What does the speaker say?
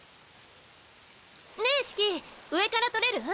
ねぇシキ上から撮れる？